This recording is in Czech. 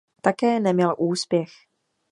Také neměl úspěch.